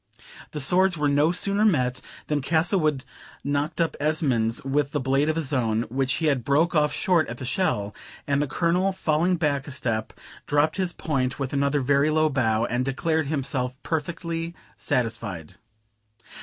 The swords were no sooner met, than Castlewood knocked up Esmond's with the blade of his own, which he had broke off short at the shell; and the Colonel falling back a step dropped his point with another very low bow, and declared himself perfectly satisfied.